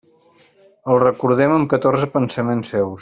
El recordem amb catorze pensaments seus.